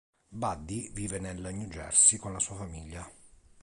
Buddy vive nel New Jersey con la sua famiglia.